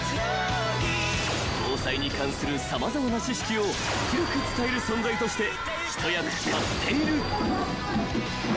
［防災に関する様々な知識を広く伝える存在として一役買っている］